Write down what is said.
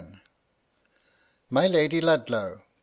126 MY LADY LUDLOW.